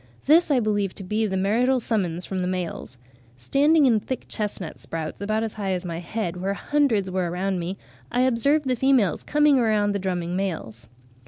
This I believe to be the marital summons from the males. Standing in thick chestnut sprouts about as high as my head, where hundreds were around me, I observed the females coming around the drumming males."